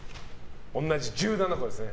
同じ１７個ですね。